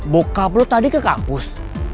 bokap lo tadi ke kampus